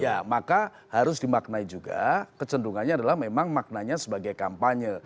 ya maka harus dimaknai juga kecenderungannya adalah memang maknanya sebagai kampanye